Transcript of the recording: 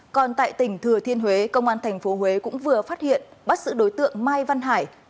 còn tại tỉnh thừa thiên huế công an tp huế cũng vừa phát hiện bắt giữ đối tượng mai văn hải